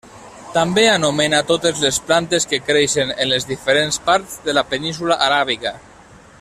També anomena totes les plantes que creixen en les diferents parts de la Península aràbiga.